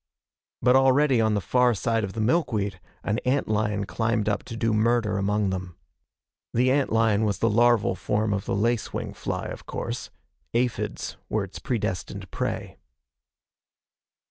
But already on the far side of the milkweed, an ant lion climbed up to do murder among them. The ant lion was the larval form the lace wing fly, of course. Aphids were its predestined prey.